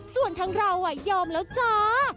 ส่วนทั้งเรายอมแล้วจ้า